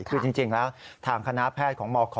คือจริงแล้วทางคณะแพทย์ของมค